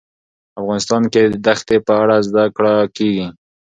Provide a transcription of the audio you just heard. افغانستان کې د ښتې په اړه زده کړه کېږي.